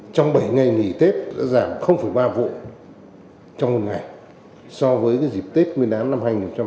trong bảy ngày nghỉ tết đã giảm ba vụ trong một ngày so với dịp tết nguyên đán năm hai nghìn hai mươi ba